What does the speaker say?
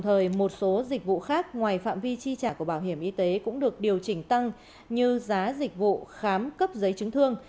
đồng thời một số dịch vụ khác ngoài phạm vi chi trả của bảo hiểm y tế cũng được điều chỉnh tăng như giá dịch vụ khám cấp giấy chứng thương